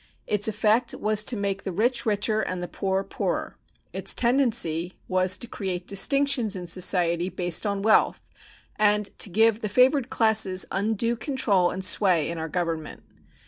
Its effect was to "make the rich richer and the poor poorer." Its tendency was to create distinctions in society based on wealth and to give to the favored classes undue control and sway in our Government.